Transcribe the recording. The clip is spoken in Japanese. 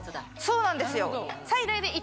そうなんですよ。